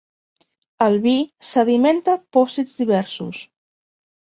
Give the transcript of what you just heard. El vi sedimenta pòsits diversos.